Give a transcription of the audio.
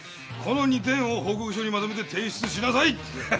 この２点を報告書にまとめて提出しなさい。